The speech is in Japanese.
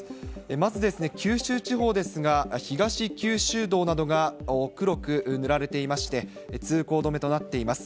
まず九州地方ですが、東九州道などが黒く塗られていまして、通行止めとなっています。